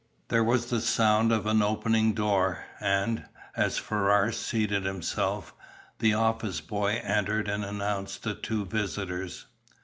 There was the sound of an opening door, and, as Ferrars seated himself, the office boy entered and announced the two visitors.